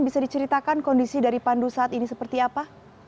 bisa diceritakan kondisi dari pandu saat ini seperti apa